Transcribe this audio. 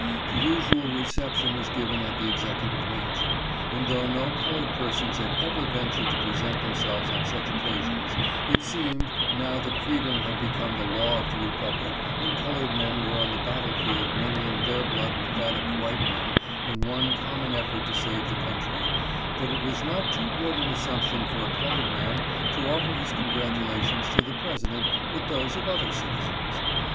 The usual reception was given at the executive mansion, and though no colored persons had ever ventured to present themselves on such occasions, it seemed, now that freedom had become the law of the republic, and colored men were on the battle field mingling their blood with that of white men in one common effort to save the country, that it was not too great an assumption for a colored man to offer his con gratulations to the President with those of other citizens.